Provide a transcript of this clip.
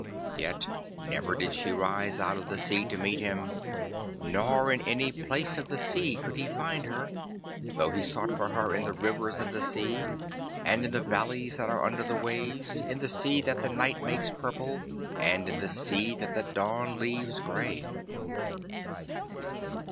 Yet never did she rise out of the sea to meet him, nor in any place of the sea could he find her, though he sought for her in the rivers of the sea, and in the valleys that are under the waves, in the sea that the night makes purple, and in the sea that the dawn leaves grey.